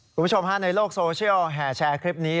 คุณผู้ชมฮะในโลกโซเชียลแห่แชร์คลิปนี้